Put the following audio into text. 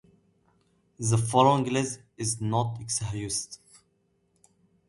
Note: The following list is not exhaustive.